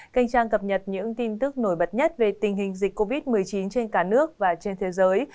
kênh trang cập nhật những tin tức nổi bật nhất về tình hình dịch covid một mươi chín trên cả nước và trên thế giới